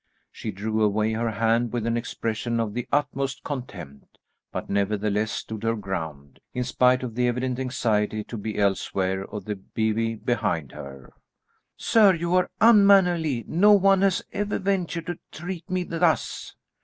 She drew away her hand with an expression of the utmost contempt, but nevertheless stood her ground, in spite of the evident anxiety to be elsewhere of the bevy behind her. "Sir, you are unmannerly. No one has ever ventured to treat me thus."